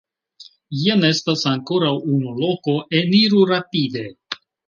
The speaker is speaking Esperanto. Jen estas ankoraŭ unu loko, eniru rapide.